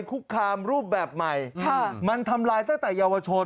คุกคามรูปแบบใหม่มันทำลายตั้งแต่เยาวชน